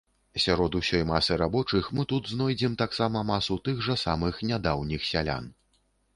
Сярод усёй масы рабочых мы тут знойдзем таксама масу тых жа самых нядаўніх сялян.